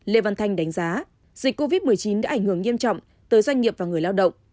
lê văn thanh đánh giá dịch covid một mươi chín đã ảnh hưởng nghiêm trọng tới doanh nghiệp và người lao động